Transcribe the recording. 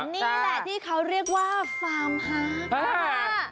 นี่แหละที่เขาเรียกว่าฟาร์มฮัก